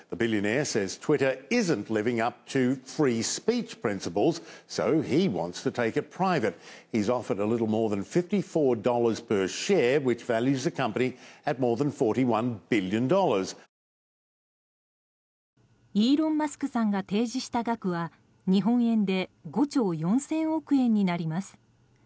イーロン・マスクさんが提示した額は日本円で５兆４０００億円になります。